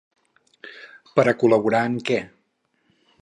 Per a col·laborar en què?